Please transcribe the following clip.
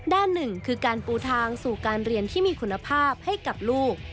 ด้านหนึ่งคือการปูทางสู่การเรียนที่มีคุณภาพให้กับลูก